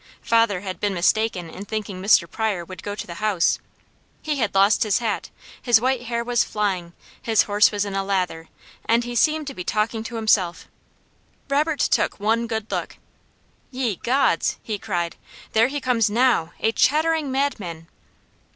Father had been mistaken in thinking Mr. Pryor would go to the house. He had lost his hat, his white hair was flying, his horse was in a lather, and he seemed to be talking to himself. Robert took one good look. "Ye Gods!" he cried. "There he comes now, a chattering madman!"